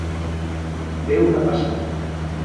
Fer una passada.